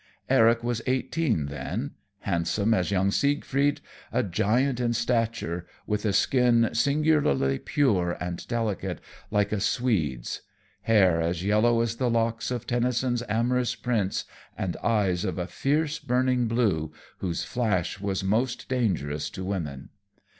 Eric was eighteen then, handsome as young Siegfried, a giant in stature, with a skin singularly pure and delicate, like a Swede's; hair as yellow as the locks of Tennyson's amorous Prince, and eyes of a fierce, burning blue, whose flash was most dangerous to women.